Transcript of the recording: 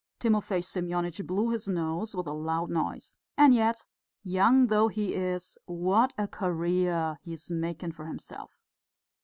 Timofey Semyonitch blew his nose with a loud noise. "And yet, young though he is, what a career he is making for himself."